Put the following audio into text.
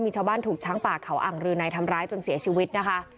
มีชาวบ้านถูกช้างป่าเขาอ่างรือในทำร้ายจนเสียชีวิตนะคะ